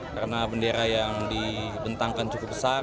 karena bendera yang dibentangkan cukup besar